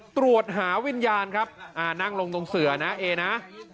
ตรวจหาวิญญาณครับนั่งลงตรงเสือนะเอนะ